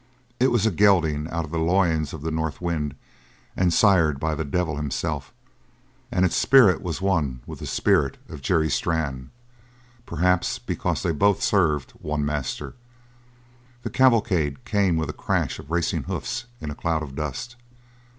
It was a gelding out of the loins of the north wind and sired by the devil himself, and its spirit was one with the spirit of Jerry Strann; perhaps because they both served one master. The cavalcade came with a crash of racing hoofs in a cloud of dust.